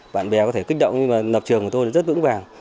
bạn bè có thể kích động nhưng mà lập trường của tôi là rất vững vàng